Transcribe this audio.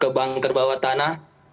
ke bank terbawa tanah